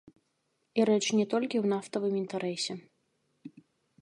І рэч не толькі ў нафтавым інтарэсе.